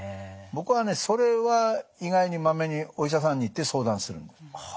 僕はねそれは意外にまめにお医者さんに行って相談するんです。